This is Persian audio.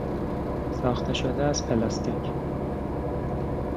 ساخته شده از پلاستیک